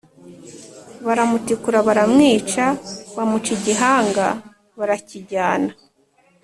baramutikura baramwica, bamuca igihanga barakijyana